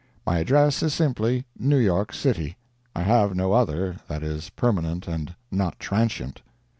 My address is simply New York City I have no other that is permanent and not transient.